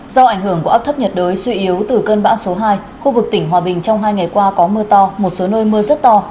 do ảnh hưởng của áp thấp nhiệt đới suy yếu từ cơn bão số hai khu vực tỉnh hòa bình trong hai ngày qua có mưa to một số nơi mưa rất to